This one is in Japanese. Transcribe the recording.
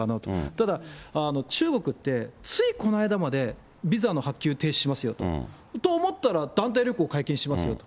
ただ、中国って、ついこの間までビザの発給停止しますよと、と思ったら、団体旅行解禁しますよって。